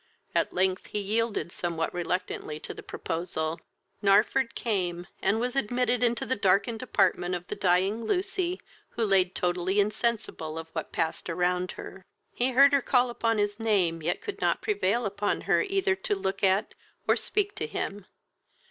At length he yielded somewhat reluctantly to the proposal. Narford came, and was admitted into the darkened apartment of the dying Lucy, who laid totally insensible of what passed around her. He heard her call upon his name, yet could not prevail upon her either to look at of speak to him.